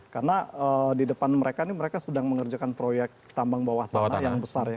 karena di depan mereka ini mereka sedang mengerjakan proyek tambang bawah tanah yang besar ya